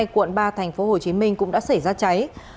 quận ba tp hcm cũng đã xảy ra cháy